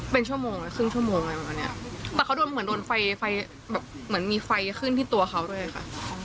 เป็นชั่วโมงเลยครึ่งชั่วโมงอะไรประมาณเนี้ยแต่เขาโดนเหมือนโดนไฟไฟแบบเหมือนมีไฟขึ้นที่ตัวเขาด้วยค่ะ